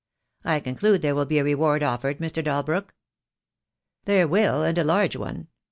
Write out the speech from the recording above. "I conclude there will be a reward offered, Mr. Dalbrook?" "There will, and a large one.